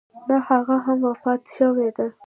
نه هغه هم وفات شوې ده.